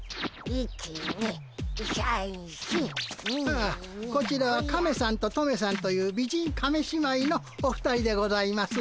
ああこちらはカメさんとトメさんという美人亀姉妹のお二人でございます。